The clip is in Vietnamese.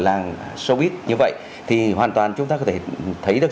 làng soviet như vậy thì hoàn toàn chúng ta có thể thấy được